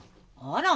あら？